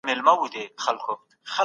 هغه خپل ځان وساتی او ارام پاته سو.